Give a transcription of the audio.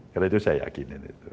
karena itu saya yakinin itu